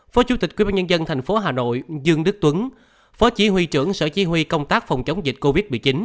phó chủ tịch quyên bán nhân dân thành phố hà nội dương đức tuấn phó chỉ huy trưởng sở chỉ huy công tác phòng chống dịch covid một mươi chín